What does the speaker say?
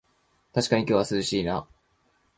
たしかに今日は涼しいな